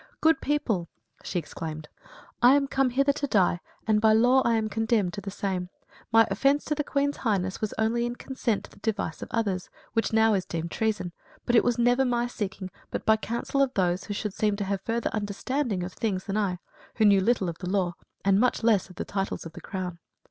"Good people," she exclaimed, "I am come hither to die, and by law I am condemned to the same. My offence to the Queen's Highness was only in consent to the device of others, which now is deemed treason; but it was never my seeking, but by counsel of those who should seem to have further understanding of things than I, who knew little of the law, and much less of the titles to the Crown.